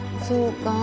そうか。